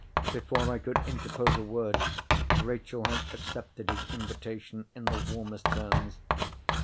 Before I could interpose a word, Rachel had accepted his invitation in the warmest terms.